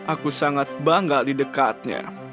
aku sangat bangga di dekatnya